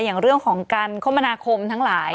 อย่างเรื่องของการคมนาคมทั้งหลาย